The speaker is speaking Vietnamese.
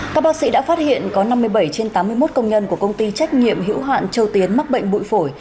các bác sĩ đã phát hiện có năm mươi bảy trên tám mươi một công nhân của công ty trách nhiệm hữu hạn châu tiến mắc bệnh bụi phổi